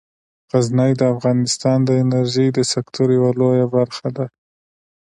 غزني د افغانستان د انرژۍ د سکتور یوه لویه برخه ده.